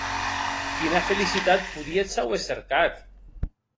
Quina felicitat podíetz auer cercat?